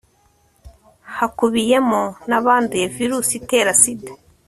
hakubiyemo n'abanduye virusi itera sida